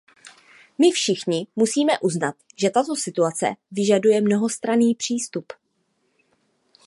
My všichni musíme uznat, že tato situace vyžaduje mnohostranný přístup.